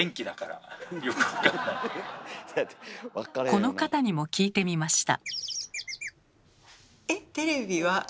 この方にも聞いてみました。